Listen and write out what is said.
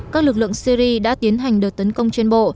các lực lượng syri đã tiến hành đợt tấn công trên bộ